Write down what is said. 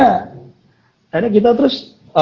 akhirnya kita terus